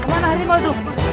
kemana hari mau tuh